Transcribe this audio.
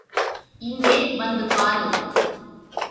இங்கே வந்து பாரு!